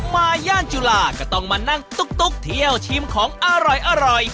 มาย่านจุฬาก็ต้องมานั่งตุ๊กเที่ยวชิมของอร่อย